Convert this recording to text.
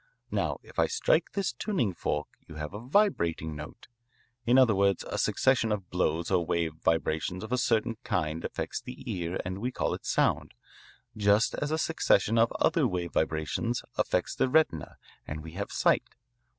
Now if I strike this tuning fork you have a vibrating note. In other words, a succession of blows or wave vibrations of a certain kind affects the ear and we call it sound, just as a succession of other wave vibrations affects the retina and we have sight.